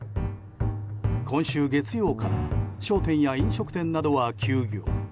今週月曜から商店や飲食店などは休業。